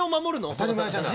当たり前じゃない。